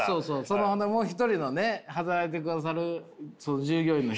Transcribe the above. そのもう一人のね働いてくださるその従業員の人に。